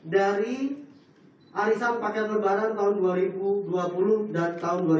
dari arisan paket lebaran tahun dua ribu dua puluh dan tahun dua ribu dua puluh